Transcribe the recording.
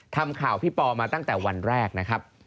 ทำข่าวพี่ปอมาตั้งแต่วันแรกนะครับ